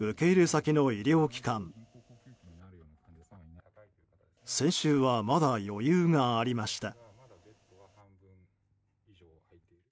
先週はまだ余裕がありました。